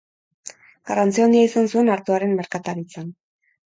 Garrantzi handia izan zuen artoaren merkataritzan.